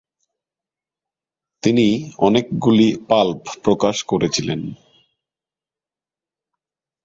তিনি অনেকগুলি পাল্প প্রকাশ করেছিলেন।